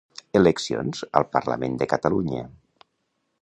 Eleccions al Parlament de Catalunya.